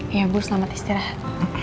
iya ibu selamat istirahat